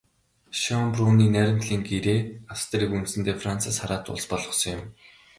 Шёнбрунны найрамдлын гэрээ Австрийг үндсэндээ Францаас хараат улс болгосон юм.